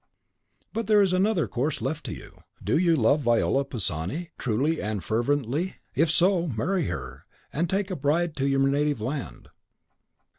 "But there is another course left to you: do you love Viola Pisani truly and fervently? if so, marry her, and take a bride to your native land."